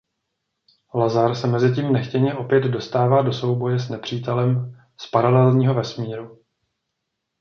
Lazar se mezitím nechtěně opět dostává do souboje s nepřítelem z paralelního vesmíru.